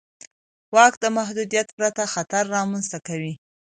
واک د محدودیت پرته خطر رامنځته کوي.